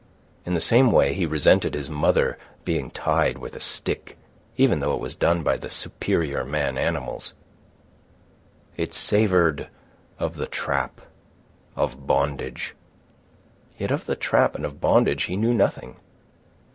In the same way he resented his mother being tied with a stick, even though it was done by the superior man animals. It savoured of the trap, of bondage. Yet of the trap and of bondage he knew nothing.